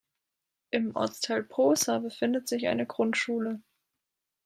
Im Ortsteil Posa befindet sich eine Grundschule.